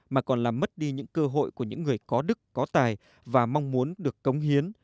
mà còn làm mất đi những cơ hội của những người có đức có tài và mong muốn được cống hiến